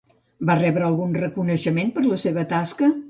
Va rebre algun reconeixement per la seva tasca?